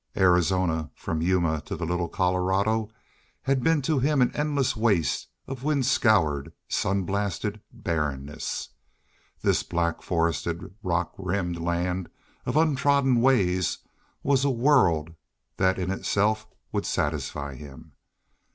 Arizona from Yuma to the Little Colorado had been to him an endless waste of wind scoured, sun blasted barrenness. This black forested rock rimmed land of untrodden ways was a world that in itself would satisfy him.